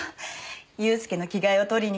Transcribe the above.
祐介の着替えを取りに。